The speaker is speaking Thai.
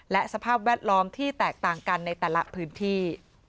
และสภาพแวดล้อมที่แตกต่างกันในแต่ละพื้นที่